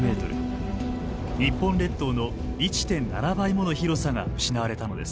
日本列島の１．７倍もの広さが失われたのです。